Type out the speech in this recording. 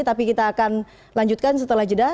tapi kita akan lanjutkan setelah jeda